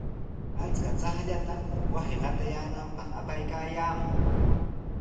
Achka chaqllata wasi qatayaananpaq apaykaayaamun.